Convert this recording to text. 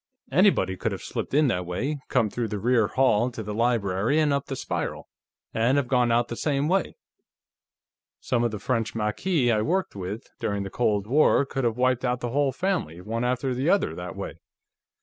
"Anybody could have slipped in that way, come through the rear hall to the library and up the spiral, and have gone out the same way. Some of the French Maquis I worked with, during the war, could have wiped out the whole family, one after the other, that way."